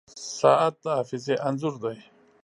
• ساعت د حافظې انځور دی.